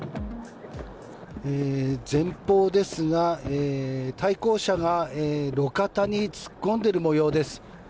前方ですが対向車が路肩に突っ込んでいる模様です。